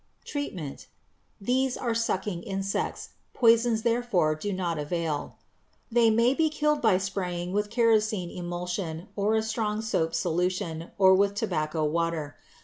Treatment. These are sucking insects. Poisons therefore do not avail. They may be killed by spraying with kerosene emulsion or a strong soap solution or with tobacco water.